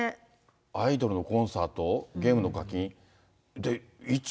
アイドルのコンサート、ゲームの課金。